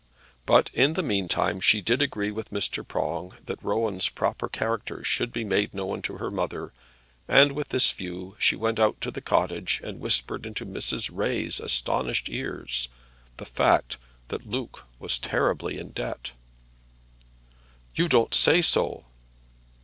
But, in the mean time, she did agree with Mr. Prong that Rowan's proper character should be made known to her mother, and with this view she went out to the cottage and whispered into Mrs. Ray's astonished ears the fact that Luke was terribly in debt. "You don't say so!"